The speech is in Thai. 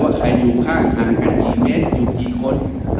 ใครอยู่ข้างห่างกันกี่เมตรอยู่กี่คน